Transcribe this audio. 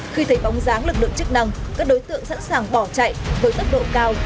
khi thấy bóng dáng lực lượng chức năng các đối tượng sẵn sàng bỏ chạy với tốc độ cao